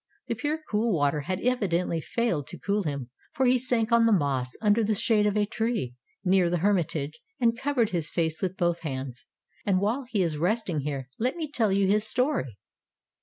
The pure cool water had evidently failed to cool him, for he sank on the moss, under the shade of a tree, near the hermitage, and covered his face with both hands. And while he is resting here, let me tell you his story.